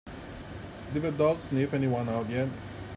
Did the dog sniff anyone out yet?